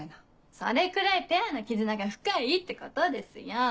それくらいペアの絆が深いってことですよぉ。